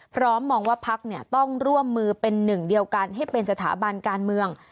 มองว่าพักต้องร่วมมือเป็นหนึ่งเดียวกันให้เป็นสถาบันการเมือง